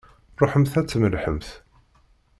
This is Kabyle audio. Ṛuḥemt ad tmellḥemt!